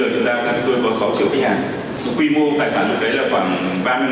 một điểm giao dịch tự động